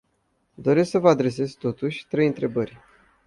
Doresc să vă adresez, totuși, trei întrebări.